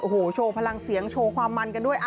โอ้โหโชว์พลังเสียงโชว์ความมันกันด้วย